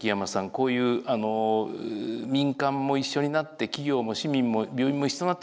こういう民間も一緒になって企業も市民も病院も一緒になっての取り組み